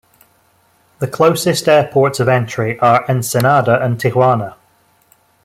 The closest airports of entry are Ensenada and Tijuana.